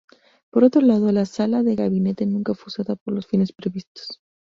Por otro lado, la sala de Gabinete nunca fue usada para los fines previstos.